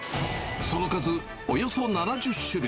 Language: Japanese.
その数、およそ７０種類。